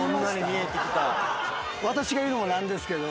私か言うのも何ですけど。